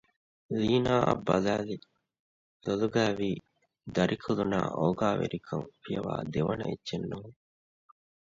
ލީނާއަށް ބަލައިލި ލޮލުގައިވީ ދަރިކުލުނާއި އޯގާވެރިކަން ފިޔަވައި ދެވަނަ ދޭއްޗެއް ނޫން